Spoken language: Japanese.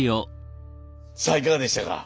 さあいかがでしたか。